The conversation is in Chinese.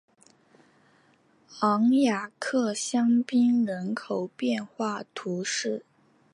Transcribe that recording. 昂雅克香槟人口变化图示